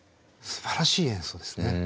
すばらしい演奏ですね。